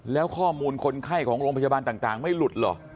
แล้วข้อมูลคนไข้ของโรงพยาบาลต่างไม่หลุดเหรอ